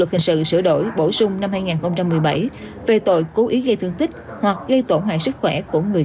luật hình sự sửa đổi bổ sung năm hai nghìn một mươi bảy về tội cố ý gây thương tích hoặc gây tổn hại sức khỏe của người